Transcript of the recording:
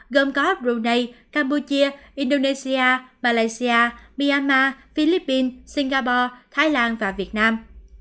gồm có qr campuchia indonesia malaysia myanmar philippines singapore thái lan và việt nam